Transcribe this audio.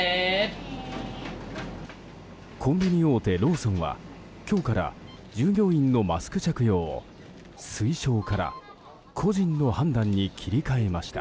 コンビニ大手ローソンは今日から、従業員のマスク着用を推奨から個人の判断に切り替えました。